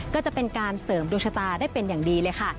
ก็จะเป็นการเสริมดวงชะตาได้เป็นอย่างดีเลยค่ะ